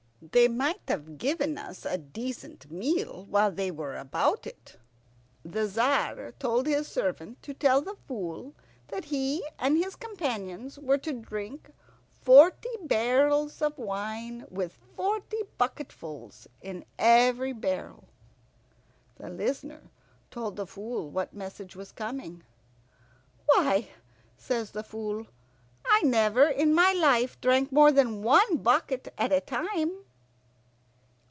They might have given us a decent meal while they were about it." The Tzar told his servant to tell the Fool that he and his companions were to drink forty barrels of wine, with forty bucketfuls in every barrel. The Listener told the Fool what message was coming. "Why," says the Fool, "I never in my life drank more than one bucket at a time."